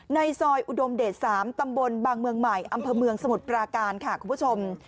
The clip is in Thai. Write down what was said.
ในซอยอุดมเดช๓ตำบลบางเมืองใหม่อำเภอเมืองสมุทรปราการค่ะคุณผู้ชม